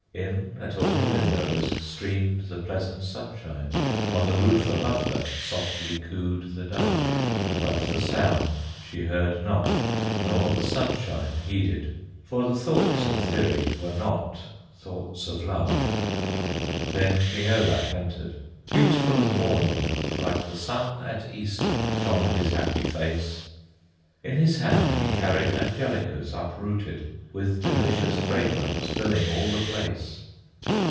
In at all the windows Streamed the pleasant sunshine, On the roof above her Softly cooed the dove; But the sound she heard not, Nor the sunshine heeded, For the thoughts of Thyri Were not thoughts of love. Then King Olaf entered, Beautiful as morning, Like the sun at Easter Shone his happy face; In his hand he carried Angelicas uprooted, With delicious fragrance Filling all the place.